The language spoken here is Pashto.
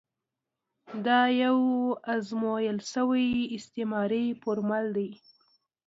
دا یو ازمویل شوی استعماري فورمول دی.